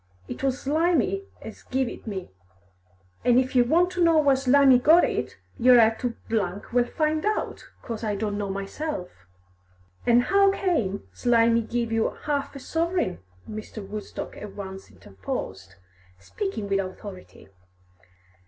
It was Slimy as give it me, an' if yer want to know where Slimy got it, yer 'll 'ave to well find out, 'cos I don't know myself." "And how came Slimy to give you half a sovereign?" Mr. Woodstock at once interposed, speaking with authority.